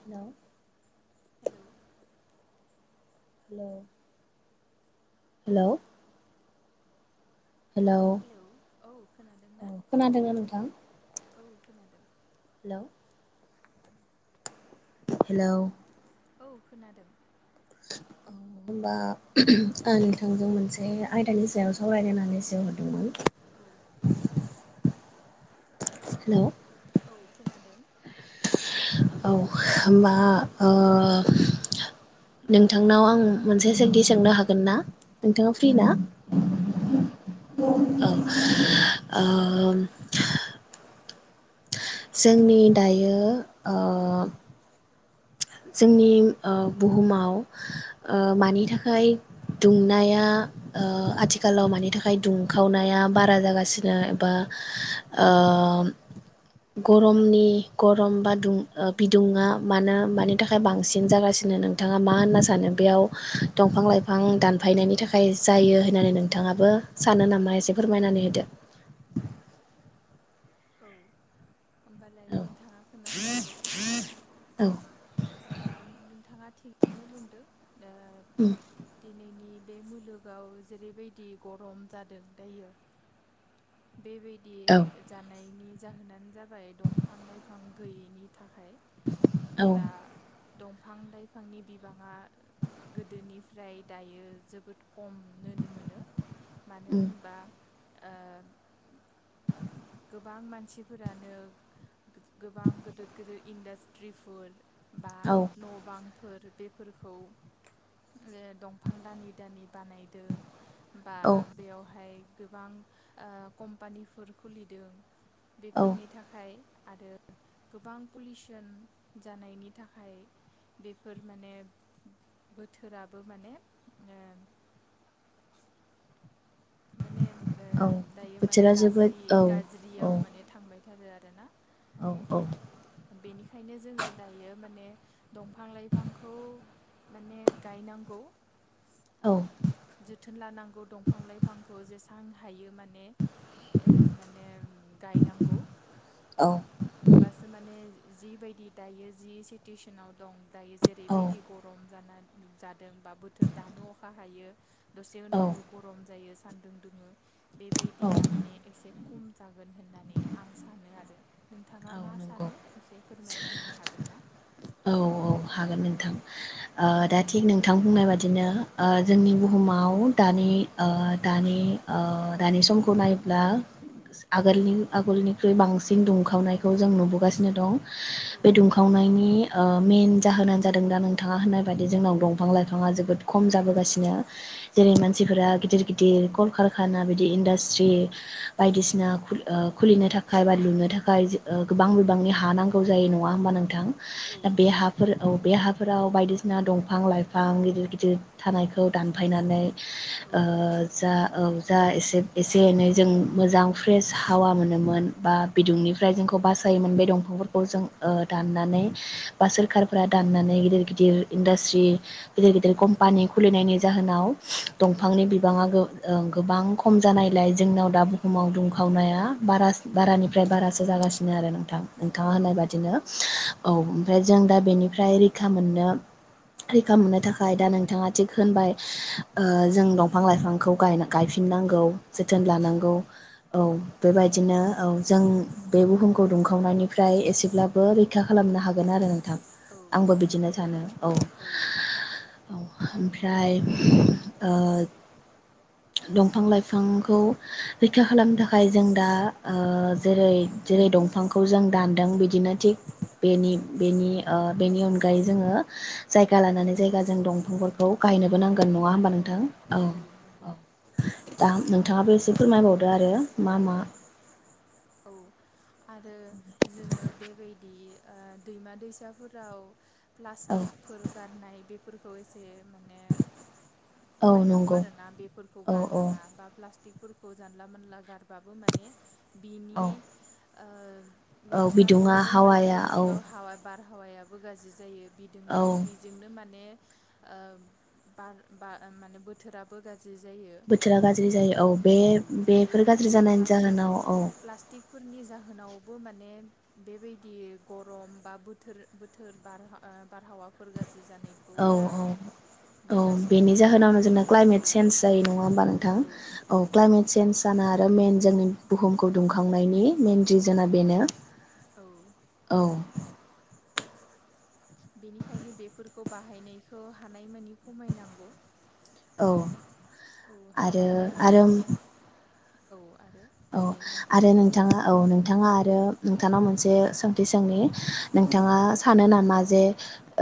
Hello hello hello hello hello औ खोनादों औ ना खोनादों नोंथां? औ खोनादों। हेलौ हेलौ औ खोनादों। होनबा आं नोंथोंजों मोनसे आयदानि सायाव सावरायलाय होननानैसो होरदोंमोन। औ। हेलौ औ खोनादों। औ होमबा ओ नोंथांनाव आं मोनसे सोंथि सोंनो हागोन ना? औ नोंथाङा फ्रि ना? हागोन औ फ्रि औ ओम ओ जोंनि दायो ओ जोंनि ओ बुहुमाव ओ मानि थाखाय दुंनाया ओ आथिखालाव मानि थाखाय दुंखावनाया बारा जागासिनो एबा ओ ग'रमनि गरम बा दुं बिदुङा मानो मानि थाखाय बांसिन जागासिनो नोंथाङा मा होनना सानो बेयाव दंफां लाइफां दानफायनायनि थाखाय जायो होननानै नोंथाङाबो सानो नामा? एसे फोरमायनानै होदो। औ। होमबालाय नोंथाङा खोनासंदो। औ ओ नोंथाङा थिगनो बुंदों। ओ दिनैनि बे मुलुगाव जेरैबायदि गरम जादों दायो। बेबायदि औ जानायनि जाहोनानो जाबाय दंफां लाइफां गैयैनि थाखाय औ दा दंफां लाइफांनि बिबाङा गोदोनिफ्राय दायो जोबोद खम नोनो मोनो मानो उम होनबा ओ गोबां मानसिफोरानो गोबां गोदोर गोदोर इन्डास्ट्रिफोर बा औ न बां फोर बेफोरखौ दंफां दानि दानि बानायदों बा औ बेयावहाय गोबां ओ कम्पानिफोर खुलिदों औ बेफोरनि थाखाय आरो गोबां पलिउसन जानायनि थाखाय बेफोर माने बोथोराबो माने ओ माने ओ औ दायो माने बोथोरा जोबोद गाज्रि औ औ गाज्रियाव माने थांबाय थारो आरो ना औ औ बेनिखायनो जोङो दायो माने दंफां लाइफांखौ माने गायनांगौ औ जोथोन लानांगौ दंफां लाइफांखौ जेसां हायो मोन ने ओ माने गायनांगौ औ होमबासो माने जिबायदि दायो जि सिटुवेसनाव दं दायो औ जेरैबायदि गरम जानान जादों बा बोथोर दानो अखा हायो दसे औ उनावनो गरम जायो सान्दुं दुङो बेबायदिया माने एसे खम जागोन होननानै आं सानो आरो नोंथाङा मा नंगौ सानो एसे फोरमायना होनो हागोन ना? औ हागोन नोंथां ओ औ दा थिग नोंथा थां बुंनाय बादिनो ओ जोंनि बुहुमाव दानि ओ दानि ओ दानि समखौ नायोब्ला औ आगोलनि आगोलनि ख्रुइ बांसिन दुंखावनाय खौ जों नुबोगासिनो दं औ बे दुंखावनायनि ओ मेेन जाहोनानो जादों दा नोंथाङा होननाय बायदि जोंनाव दंफां लाइफाङा जोबोद खम जाबोगासिनो जेरै मानसिफोरा गिदिर गिदिर कलकारखाना बिदि इन्डास्ट्रि बायदिसिना खुलि खुलिनो थाखाय बा लुनो थाखाय ओ गोबां बिबांनि हा नांगौ जायो नङा होमबा नोंथां बे हाफोर औ बे हाफोराव बायदिसिना दंफां लाइफां गिदिर गिदिर थानायखौ दानफायनानै औ ओ जा ओं जा एसे एसे एनै जों मोजां फ्रेस हावा मोनोमोन बा बिदुंनिफ्राय जों खौ बासायोमोन बे दं दंफांफोरखौ जों ओ दाननानै बा सोरखारफोरा दाननानै गिदिर गिदिर इन्डास्ट्रि गिदिर गिदिर कम्पानि खुलिनायनि जाहोनाव औ दंफांनि बिबाङा गो ओं गोबां खम जानायलाय जोंनाव दा बुहुमाव दुंखावनाया बारास बारानिफ्राय बारासो जागासिनो नो आरो नोंथां नोंथाङा औ होननाय बादिनो नंगौ औ ओमफ्राय जों दा बेनि फ्राय रैखा मोननो रैखा मोननो थाखाय दा नोंथाङा थिग होनबाय ओ जों दंफां लाइफांखौ गायफिननांगौ जोथोन औ लानांगौ औ बेबायदिनो औ जों बे बुहुम खौ दुंखावनायनिफ्राय एसेब्लाबो रैखा खालामनो हागोन आरो नों थां औ आंबो बिदिनो सानो औ औ ओमफ्राय ओ दंफां लाइफांखौ रैखा खालामनो थाखाय जों दा ओ जेरै जेरै दंफां फांखौ जों दानदों बिदिनो थिग बेनि बेनि बेनि अनगायै जोङो जायगा लानानै जायगा जों दंफांफोर खौ गायनोबो नांगोन नङा गायनांगौ होमबा औ नोंथां औ औ दा नोंथाङाबो एसे फोरमायबावदो आरो मा मा औ आरो जोङो बेबायदि ओ दैमा दैसाफोराव औ प्लास्टिकफोर गारनाय बे फोरखौ एसे माने औ खमायनांगौ नंगौ आरोना बेफोरखौ औ औ गारनाङा बा प्लास्टिक फोरखौ जानला मोनानला गारबाबो माने बिनि औ ओ औ बिदुङा लेथ्राजोंनो माने हावाया औ हावा बार आबहावायाबो गाज्रि जायो बिदोंनो औ बिजोंनो माने ओ बार बा माने बोथोराबो गा बोथोरा गाज्रि जायो औ बे बेफोर जेरैबायदि गाज्रि जानायनि प्लास्टिक जाहोनाव औ प्लास्टिकफोरनि जाहोनाव बो माने बेबायदि गरम बा बोथोर बोथोर बार ओ बारहावाफोर गा औ औ औ नुगासिनो बेनि आरोना जाहोनावनो बे जोंना क्लाइमेट औ सेेन्ज जायो नङा होमबा नोंथां औ क्लाइमेट सेेन्ज जाना आरो मेइन‌ जोंनि बुहुमखौ दुंखांनायनि मइेन रिजोनआ बेनो। औ औ बेनिखायनो बेफोरखौ बाहायनायखौ हानायमानि खमायनांगौ औ औ आरो हानायमानि आरो माने औ आरो औ दे आरो बुंदो नोंथाङा औ नोंथाङा आ रो नोंथानाव मोनसे सोंथि सोंनि औ नोंथाङा सानो नामा जे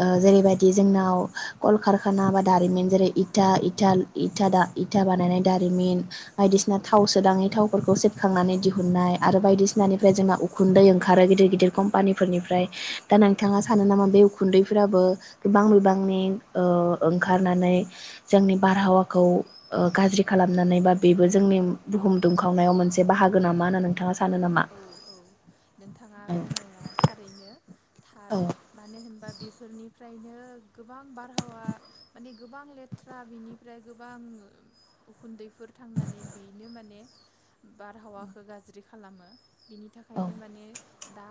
ओ जेरैबायदि जोंनाव कलकारखाना बा दारिमिन जेरै इथा इथा इथा इथा बानायनाय दारिमिन बायदिसिना औ थावसो दाङै थाव खौ सेबखांनानै दिहुननाय आरो बायदिसिनानिफ्राय जोंहाखा उ खुन्दै ओंखारो गिदिर गिदिर कम्पानिफोरनिफ्राय दा औ नोंथाङा सानो नामा बे खुन्दैफोराबो गोबां बिबांनि ओ ओंखारनानै जोंनि बारहावाखौ ओ गाज्रि खालाम नानै बा बेबो औ जोंनि बुहुम खावनायाव मोनसे बाहागो नामा होन नोंथाङा सानो नामा? औ औ नोंथाङा औ बुंनाया थारैनो थार मानो होनबा बेफोरनि फ्रायनो गोबां बारहावा माने गोबां लेथ्रा बिनिफ्राय गोबां उखुन्दैफोर थांनानै बेनो माने बारहावाखौ गाज्रि खालामो। बिनि औ थाखायनो माने दा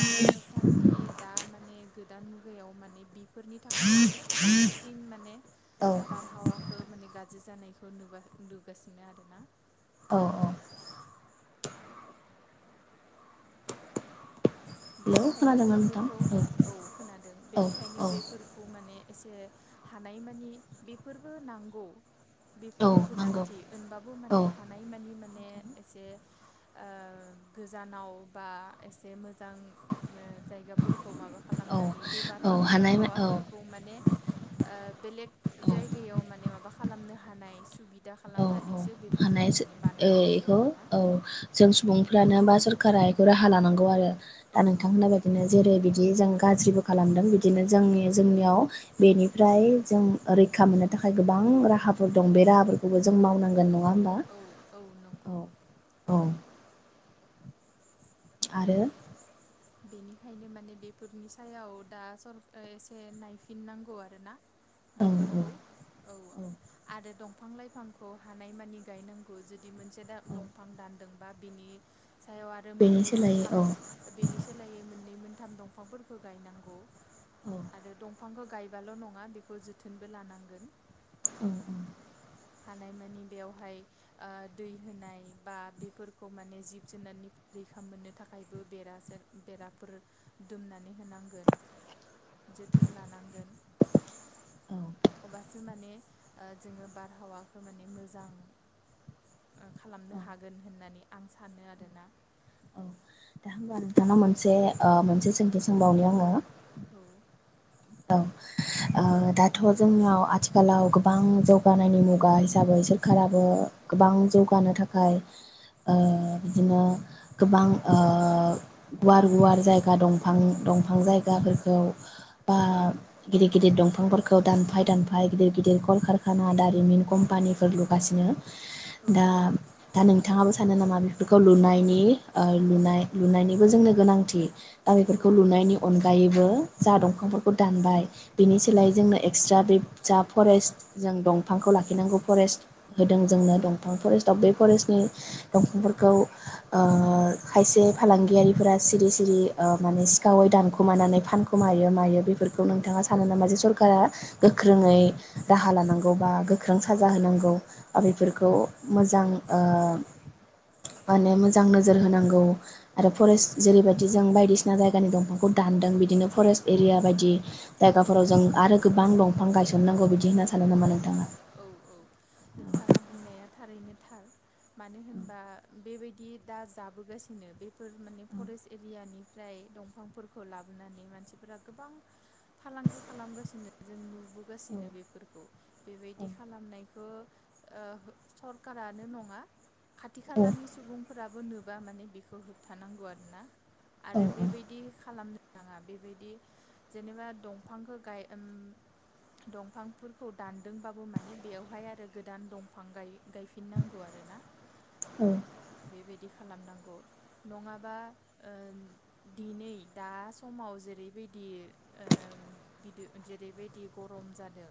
दासान्दि दा माने गोदान मुगायाव माने बि फोरनि थाखाय माने बांसिन माने औ बारहावाखौ माने गा ज्रि जानायखौ नुबा नुगासिनो आरो ना। औ औ हेल' बेनिखायनो खोनादोंना बेफोरखौ नोंथां? औ खोनादों औ बेनिखायनो औ बेफोरखौ माने‌ एसे हानायमानि बेफोरबो नांगौ औ बेफोरबो नंगौ गोनांथि होनबाबो औ माने हानायमानि माने एसे ओ गोजानाव बा एसे मो‌ जां ओ जायगाफोरखौ माबा औ खालामनानै बे बार औ हानाय औ बारहावाफोरखौ माने ओ बेलेग औ जायगायाव माने माबा खालामनो हानाय सुबिदा [inaudible] औ औ खालामनानैसो बेफोरखौ हानाय माने बानायनांगौ बेखौ आरोना औ जों औ सुबुंफ्रानो बा सोररका बेखौ राहा लानांगौ। गाव आरो दा औ नोंथांमोना बायदिनो जेरै बिदि बिदि जों गाज्रिबो खालामदों बिदिनो जोंनि जोंनियाव बेनिफ्राय जों रैखा मोननो थाखाय गोबां राहाफोर दं बे राहाफोरखौ खौबो जों मावनांगोन औ नङा होमबा औ औ नंगौ औ औ। आरो बेनिखायनो माने बेफोरनि सायाव दा सर एसे नायफिननांगौ आरोना [inaudible] औ औ बेफोरखौ औ आरो दं [inaudible] बिफां लाइफांखौ हानायमानि गायनांगौ जु [inaudible] दि मोनसे दा औ दंफां दान [inaudible] जादोंबा बिनि [unintelligible] सायाव आरो बेनि मोननै सोलायै मोनथाम औ बेनि [inaudible] मोननै मोनथाम दंफांफोरखौ गायनांगौ [inaudible] औ आरो दं [inaudible] बिफांखौ गायबाल' नङा बेखौ जोथोनबो लानांगोन [inaudible] उ [inaudible] हानायमानि बेवहाय दै होनाय बा बेफोरखौ माने जिब जुनारनि रैखा मोननो थाखायबो बेराजोर बेराफोर दुमनानै होनांगोन जोथोन लानांगोन [inaudible] अब्लासो माने [inaudible] जोङो [inaudible] बारहावाखौ माने मोजां [inaudible] खालामनो हागोन होननानै [inaudible] आं सानो आरोना [inaudible] औ दा होमबा नोंथांनाव मोनसे ओ मोनसे सोंथि सोंबावनि आङो [inaudible] औ [inaudible] औ दाथ' जोंनियाव आथिखालाव गोबां जौगानायनि मुगा हिसाबै सोरखाराबो गोबां जौगानो थाखाय बिदिनो गोबां गुवार गुवार जायगा दंफां दंफां जायगाफोरखौ। बा गिदिर गिदिर दंफांफोरखौ दानफाय दानफाय गिदिर गिदिर कलकारखाना दारिमिन कम्पानिफोर लुगासिनो। औ दा दा नों नोंथाङाबो सानो नामा बेफोरखौ लुनायनि ओ लुनाय लुनायनिबो जोंनो गोनांथि? दा औ बेफोरखौ लुनायनि अनगायै जोङो [inaudible] जा औ दंफांफोर फोर दानबाय बिनि औ सोलाय जोंनो एक्सट्रा बे जा फरेस्ट जों दंफांखौ लाखिनांगौ फरेस्ट होदों जोंनो दंफां फरेस्टआव बे फरेस्टनि दंफांफोरखौ खायसे फालांगियारिफोरा सिरि-सिरि माने सिखावै दानखुमानानै फानख मायो मायो बे फोरखौ नोंथाङा सानो नामा जे सरकारा गोख्रोङै राहा लानांगौ बा गोख्रों साजा होनांगौ बा बेफोरखौ मोजां ओ‌ माने मोजां नोजोर होनांगौ। आरो फरेस्ट जेरैबायदि जों बायदि सिना जायगानि दंफांखौ दानदों बिदिनो फरेस्ट एरिया बायदि जायगाफोराव जों आरो गोबां दंफां गायसननांगौ बि दि होनना सान औ नामा नोंथाङा। औ औ नोंथाङा बुंनाया थारैनो थार मानो होनबा बेबायदि दा जाबोगासिनो बेफोर माने फरेस्ट एरियानिफ्राय दंफांफोरखौ लाबोनानै मानसिफोरा गोबां फालांगि खालामगासिनो। जोंलु नुबोगासिनो बे खौ बेबायदि खालामनाय बेखौ सरखारानो नङा खाथि खालानि सुबुंफोराबो नु बा माने बेखौ होबथानांगौ आर ना औ आरो बेबायदि खालामनो आंङा बेबायदि जेनेबा दंफांखौ गाय ओम दफां फोरखौ दानदोंबाबो माने बेवहाय आरो गोदान दंफां गायो। गायफिननांगौ आरोना औ बेबायदि खालामनांगौ नङाबा ओ दिनै दा समाव जेरैबायदि बि जेरैबायदि गरम जादों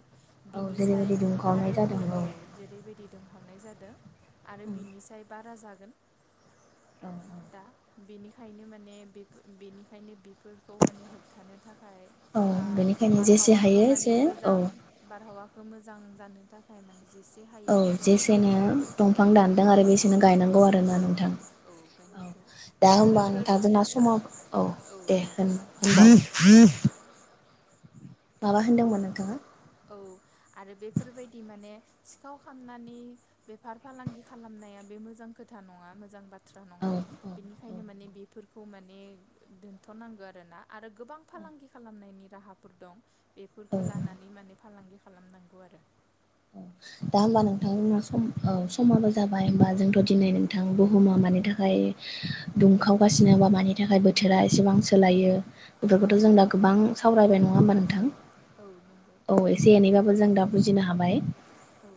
औ बिनिसाय जेरैबायदि दुंखावनाय आरो फै जादों औ जेरैबायदि दुंहावनाय जादों आरो उम बिनिसाय बारा जा गोन। दा बेनिखायनो माने बेनिखायनो बेफोरखौ माने होबथानो थाखाय औ बा बेनिखायनो जेसे हायो बारहावाखौ माने एसे औ मोजां आबहावाखौ मोजां जानो थाखाय माने जेसे औ हायो एसे माने जेसेनो दंफांफोरखौ दंफां दानदों गायनांगौ आरो बेसेनो गायनांगौ आरोना औ नोंथां औ गायनांगौ दा आरो होमबा बेफोर नोंथांजोंना फा समा औ दे होन होनबा। माबा होनदोंमोन नोंथाङा। औ आरो बेफोरबायदि माने सिखाव खामनानै बेफार फालांगि खालामनाया बे मोजां खोथा नङा मोजां बा थ्रा औ नङा औ बिनिखायनो माने बेफोर खौ माने दोनथ'नांगौ आरो ना आरो गोबां फालांगि खालामनायनि राहाफोर दं। औ बेफोरखौ लानानै माने फालांगि खालामनांगौ आरो। औ दा होनबा नोंथां सम ओ समाबो जाबाय होनबा जोंथ' दिनै नोंथां बुहुमा मानि थाखाय दुंखावगासिनो बा मानि थाखाय बोथोरा एसेबां सोलायो बेफोरखौथ' औ जों दा गोबां सावरायबाय नङा होमबा नोंथां? औ नंगौ औ एसे एनैबाबो जों दा बुजिनो हाबाय। औ।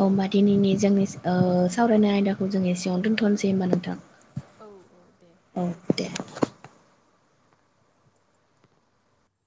अ ओमबा दिनैनि जोंनि ओ सावरायनाय आयदाखौ जों एसेयावनो दोन्थनोसै होमबा नोंथां। औ औ दे औ दे। गोजोन्थों।